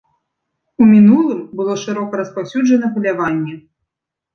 У мінулым было шырока распаўсюджана паляванне.